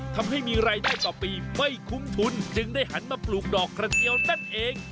ทำให้มีรายได้ต่อปีไม่คุ้มทุนจึงได้หันมาปลูกดอกกระเจียวนั่นเอง